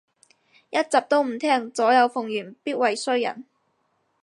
一集都唔聼，左右逢源必為衰人